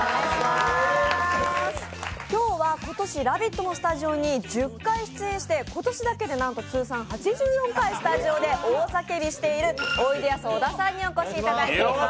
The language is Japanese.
今日は今年「ラヴィット！」のスタジオに１０回出演して今年だけで、なんと通算８４回スタジオで大叫びしているおいでやす小田さんにお越しいただいています。